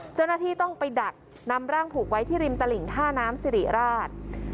เจ้าหน้าที่ต้องไปดักนำร่างผูกไว้ที่ริมตลิ่งท่าน้ำสิริราช